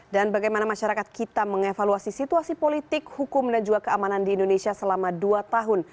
dan bagaimana masyarakat kita mengevaluasi situasi politik hukum dan juga keamanan di indonesia selama dua tahun